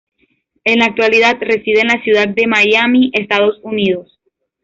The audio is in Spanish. En la actualidad reside en la ciudad de Miami, Estados Unidos.